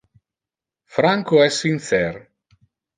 Franco es sincer.